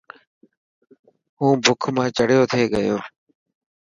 هون بک مان چڙيو ٿي گيو.